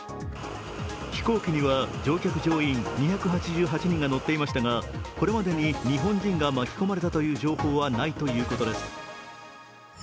飛行機には乗客・乗員２２８人が載っていましたがこれまでに日本人が巻き込まれたという情報はないということです。